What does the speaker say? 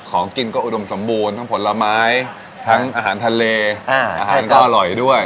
ของกินก็อุดมสมบูรณ์ทั้งผลไม้ทั้งอาหารทะเลอาหารก็อร่อยด้วย